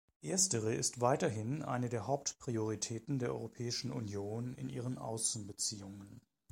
Erstere ist weiterhin eine der Hauptprioritäten der Europäischen Union in ihren Außenbeziehungen.